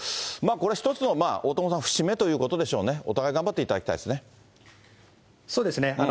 これ、一つの大友さん、節目ということでしょうね、お互い頑張っていたそうですね。